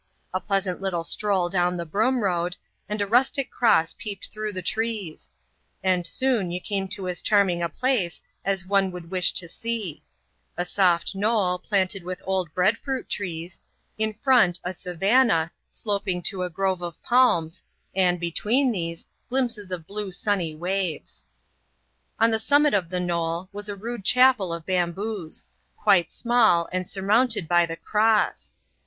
A pleasant little stroll down the Broom Road, and a rustic cross peeped through the trees ; and soon you came to as charming a place as one would wish to see : a soft knoll, {Wanted with old bread fruit trees ; in front, a savannah, sloping t» a grove of palms, and, between these, glimpses of blue sunny waves. On the summit of the knoU was a rude chapel of bamboos ; quite small, and surmounted by the cross.